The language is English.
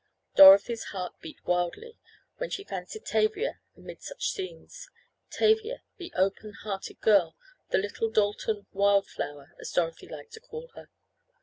Dorothy's heart beat wildly when she fancied Tavia amid such scenes—Tavia the open hearted girl, the little Dalton "wild flower" as Dorothy liked to call her.